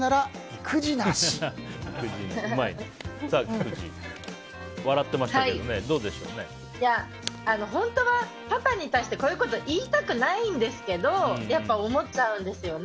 菊地、笑ってましたけど本当はパパに対してこういうこと言いたくないんですけど思っちゃうんですよね